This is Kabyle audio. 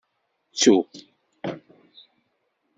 Ttu.